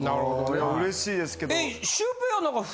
うれしいですけど。